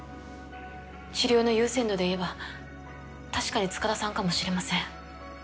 治療の優先度でいえば確かに塚田さんかもしれません。